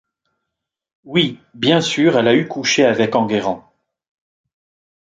Oui, bien sûr elle a eu couché avec Enguerrand.